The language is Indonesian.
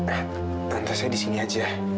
nah tante saya di sini aja